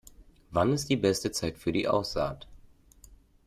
Wann ist die beste Zeit für die Aussaht?